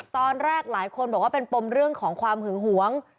ตอนแรกหลายคนบอกว่าเป็นปมเรื่องของความหึงหวง